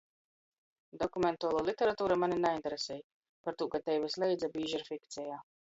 Dokumentaluo literatura mane nainteresej, partū ka tei vysleidza bīži ir fikceja.